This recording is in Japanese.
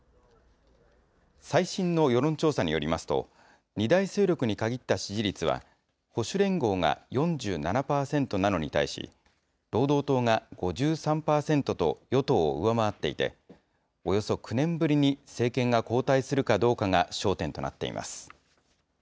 最新の世論調査によりますと、二大勢力に限った支持率は、保守連合が４７％なのに対し、労働党が５３％と与党を上回っていて、およそ９年ぶりに政権が交代するかどうかが焦点となっています。